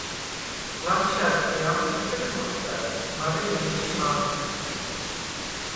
ლაჩა̈დჟი ამთოფეხ მასა̈რდ, მარე მი ეში̄ მა̄მ ოფშუ̂.